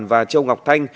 và châu ngọc thanh